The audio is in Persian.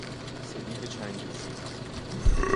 سبیل چنگیزی